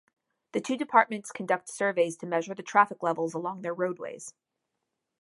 The two departments conduct surveys to measure the traffic levels along their roadways.